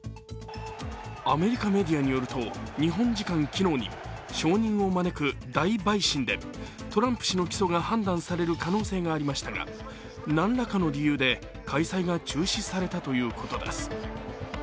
アメリカメディアによると日本時間の昨日に証人を招く大陪審でトランプ氏の起訴が判断される可能性がありましたが何らかの理由で開催が中止されたということです。